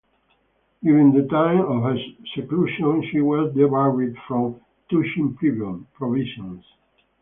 During the time of her seclusion she was debarred from touching provisions.